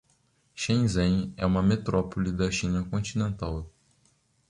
Shenzhen é uma metrópole da China continental